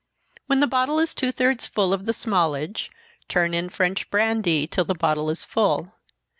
When the bottle is two thirds full of the smallage, turn in French brandy, till the bottle is full.